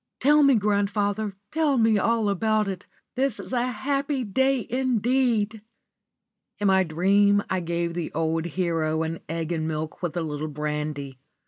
"Tell me, grandfather, tell me all about it. This is a happy day indeed!" In my dream I gave the old hero an egg and milk with a little brandy.